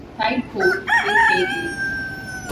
Tide Cove aka.